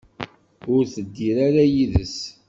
Ur teddir ara yid-s.